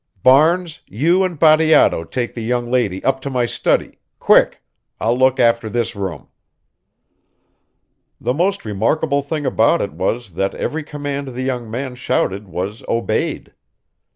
Barnes, you and Bateato take the young lady up to my study quick! I'll look after this room." The most remarkable thing about it was that every command the young man shouted was obeyed.